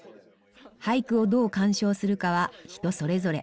俳句をどう鑑賞するかは人それぞれ。